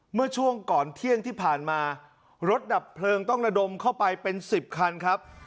เมื่อช่วงก่อนเที่ยงที่ผ่านมารถดับเพลิงต้องระดมเข้าไปเป็น๑๐คันครับ